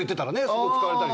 そこ使われたり。